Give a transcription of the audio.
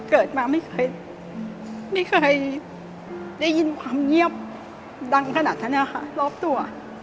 เกิดมาไม่เคยไม่เคยได้ยินความเงียบดังขนาดนั้นนะคะรอบตัว